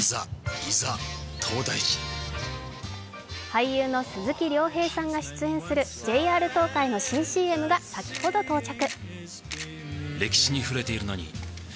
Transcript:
俳優の鈴木亮平さんが出演するＪＲ東海の新ＣＭが先ほど到着。